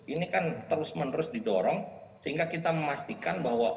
ini kan terus menerus didorong sehingga kita memastikan bahwa